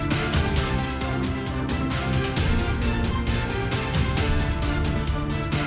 terima kasih pak soni